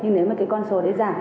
nhưng nếu mà cái con số đấy giảm